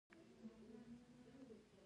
د خوندیتوب نشتون کارخانې بندوي.